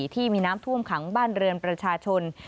ที่มีน้ำท่วมขังบ้านเรือนประชาชน